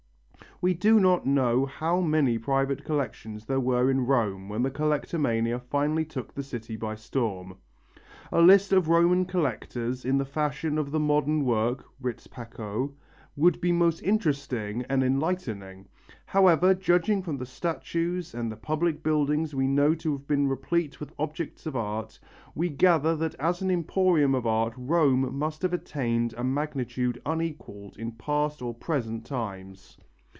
We do not know how many private collections there were in Rome when the collectomania finally took the city by storm. A list of Roman collectors in the fashion of the modern work (Ritz Pacot) would be most interesting and enlightening. However, judging from the statues and the public buildings we know to have been replete with objects of art, we gather that as an emporium of art Rome must have attained a magnitude unequalled in past or present times.